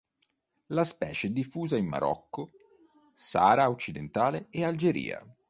La specie è diffusa in Marocco, Sahara Occidentale e Algeria.